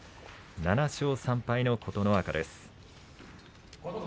７勝３敗の琴ノ若です。